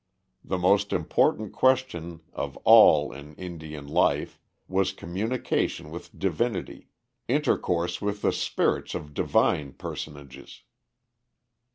... The most important question of all in Indian life was communication with divinity, intercourse with the spirits of divine personages."